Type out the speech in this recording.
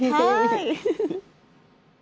はい。